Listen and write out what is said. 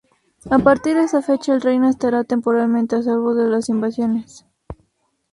A partir de esa fecha el reino estará temporalmente a salvo de las invasiones.